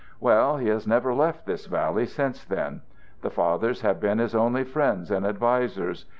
Well, he has never left this valley since then. The fathers have been his only friends and advisers.